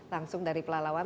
langsung dari pelalawan